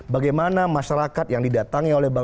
bagaimana masyarakat yang didatangi oleh bapak